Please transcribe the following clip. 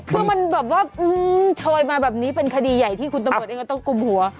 คือมันแบบว่าโชยมาแบบนี้เป็นคดีใหญ่ที่คุณตำรวจเองก็ต้องกลุ่มหัว